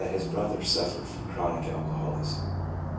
his brother suffered from chronic alcoholism.